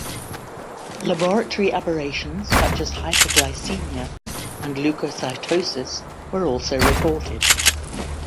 Laboratory aberrations such as hyperglycemia and leukocytosis were also reported.